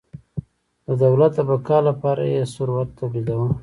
د دولت د بقا لپاره یې ثروت تولیداوه.